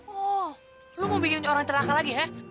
oh lo mau bikin orang terlaka lagi ya